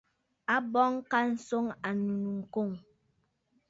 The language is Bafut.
A bɔŋ ka swɔŋ ànnù nɨkoŋǝ̀.